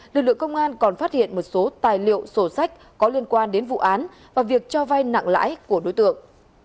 lực lượng công an còn phát hiện một số tài liệu sổ sách có liên quan đến vụ án và việc cho vai nặng lãi của đối tượng